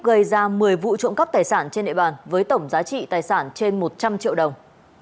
và một mươi vụ trộm cắp tài sản trên nệ bàn với tổng giá trị tài sản trên một trăm linh triệu đồng